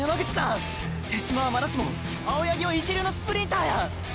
⁉手嶋はまだしも青八木は一流のスプリンターや！